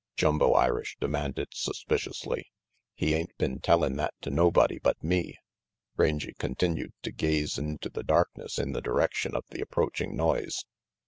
Jumbo Irish demanded suspiciously. "He ain't tellin' that to nobody but me." Rangy continued to gaze into the darkness in the direction of the approaching noise.